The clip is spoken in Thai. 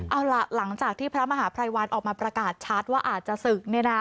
เอาล่ะหลังจากที่พระมหาภัยวันออกมาประกาศชัดว่าอาจจะศึก